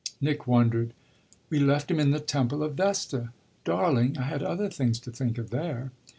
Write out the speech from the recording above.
Nick wondered. "We left him in the temple of Vesta. Darling, I had other things to think of there."